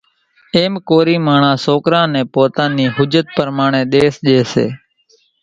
ايم ڪورِي ماڻۿان سوڪرِ نين پوتا نِي حيثيت پرماڻيَ ۮيس ڄيَ سي۔